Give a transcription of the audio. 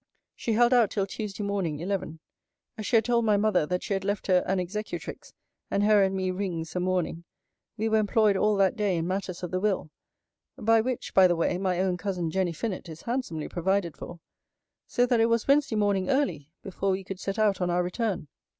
She held out till Tuesday morning, eleven. As she had told my mother that she had left her an executrix, and her and me rings and mourning; we were employed all that day in matters of the will [by which, by the way, my own cousin Jenny Fynnett is handsomely provided for], so that it was Wednesday morning early, before we could set out on our return.